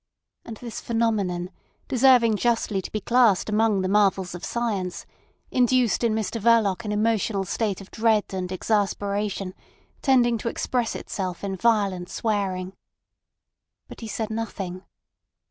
And this phenomenon, deserving justly to be classed amongst the marvels of science, induced in Mr Verloc an emotional state of dread and exasperation tending to express itself in violent swearing. But he said nothing.